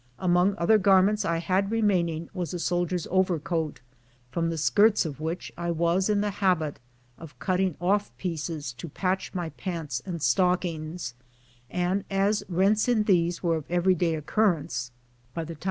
Among other garments I had remaining was a sol dier's overcoat, from the skirts of which I was in the habit of cutting off pieces to patch my pants and stockings; and as rents in these were of every day occurrence, by the time 248 Mariano's suppers.